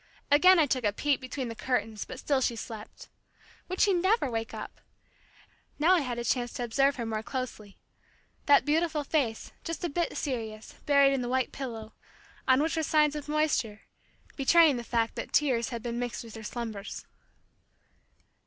Again I took a peep between the curtains but still she slept. Would she never wake up? Now I had a chance to observe her more closely. That beautiful face, just a bit serious, buried in the white pillow, on which were signs of moisture, betraying the fact that tears had been mixed with her slumbers.